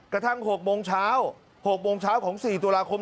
กระทั่ง๖โมงเช้า๖โมงเช้าของ๔ตุลาคม